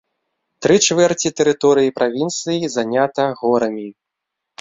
Тры чвэрці тэрыторыі правінцыі занята горамі.